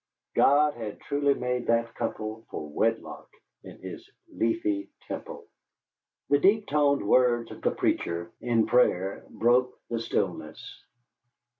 God had truly made that couple for wedlock in His leafy temple. The deep toned words of the preacher in prayer broke the stillness.